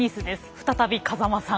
再び風間さん